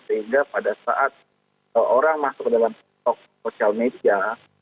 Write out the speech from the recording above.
sehingga pada saat orang masuk dalam tiktok sosial media